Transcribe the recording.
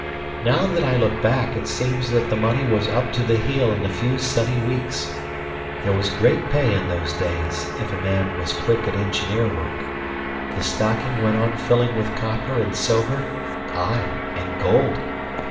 Now that I look back, it seems that the money was up to the heel in a few sunny weeks. There was great pay in those days if a man was quick at engineer work. The stocking went on filling with copper and silver aye, and gold.